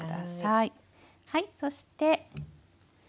はいそして。